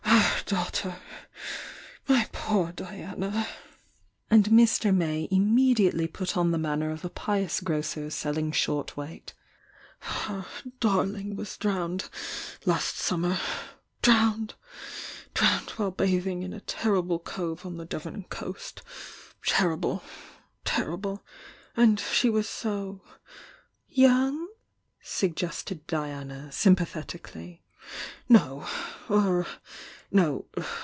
Our daughter! My poor Di ana!" And Mr. May immediately put on the man THE YOUNG DIANA 887 ner of a pious grocer selling short weight— "Our darling was drowned last summer!— drowned! Drowned while bathing in a dangerous cove on the Devon coast. Terrible— terrible!— And she was |Toung?" suggested Diana, sympathetically. "No — er— no!